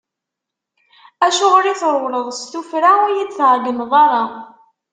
Acuɣer i trewleḍ s tuffra, ur yi-d-tɛeggneḍ ara?